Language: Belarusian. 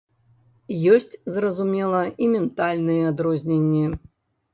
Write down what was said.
Ёсць, зразумела, і ментальныя адрозненні.